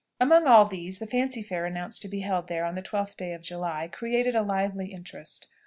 Among all these, the Fancy Fair announced to be held there on the 12th of July, created a lively interest.